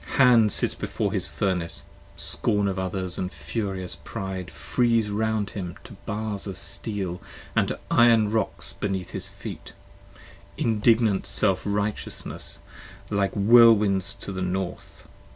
Hand sits before his furnace : scorn of others & furious pride, Freeze round him to bars of steel & to iron rocks beneath 73 His feet: indignant self righteousness like whirlwinds of the north, p.